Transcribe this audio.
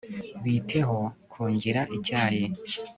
bite ho kungira icyayi